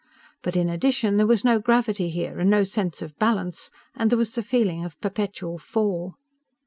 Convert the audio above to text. But in addition there was no gravity here, and no sense of balance, and there was the feeling of perpetual fall.